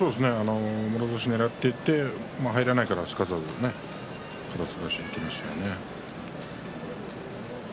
もろ差しをねらっていって入らないから、すかさず肩すかしにいきましたよね。